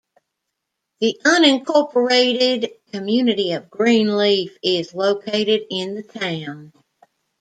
The unincorporated community of Greenleaf is located in the town.